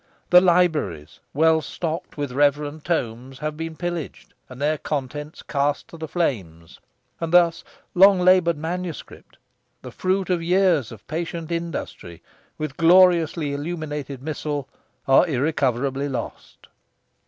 The libraries, well stored with reverend tomes, have been pillaged, and their contents cast to the flames; and thus long laboured manuscript, the fruit of years of patient industry, with gloriously illuminated missal, are irrecoverably lost.